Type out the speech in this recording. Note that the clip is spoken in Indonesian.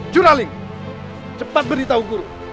juraling cepat beritahu guru